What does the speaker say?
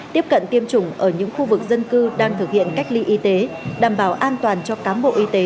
tiếp cận tiêm chủng ở những khu vực dân cư đang thực hiện cách ly y tế đảm bảo an toàn cho cám bộ y tế